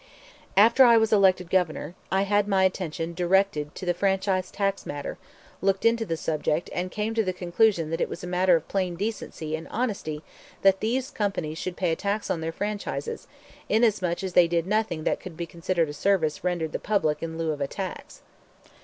After I was elected Governor I had my attention directed to the franchise tax matter, looked into the subject, and came to the conclusion that it was a matter of plain decency and honesty that these companies should pay a tax on their franchises, inasmuch as they did nothing that could be considered as service rendered the public in lieu of a tax.